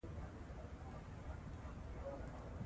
افغانستان کې تودوخه د هنر په بېلابېلو اثارو کې ښکاري.